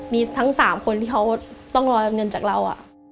มีทั้ง๓คนที่เขาต้องรอเงินจากเรา